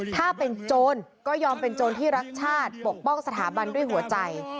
ถ้าเป็นโจรก็ยอมเป็นโจรที่รักชาติปกป้องสถาบันด้วยหัวใจ